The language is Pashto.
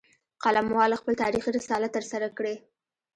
قلموال خپل تاریخي رسالت ترسره کړي